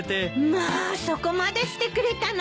まあそこまでしてくれたの？